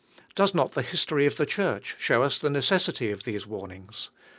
Does not the history of the Church show us the necessity of these warnings?